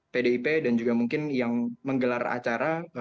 pdip dan juga mungkin yang menggelar acara